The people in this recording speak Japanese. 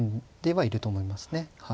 はい。